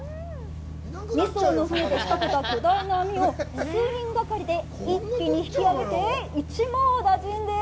２そうの船で仕掛けた巨大な網を数人がかりで一気に引き上げて、一網打尽です。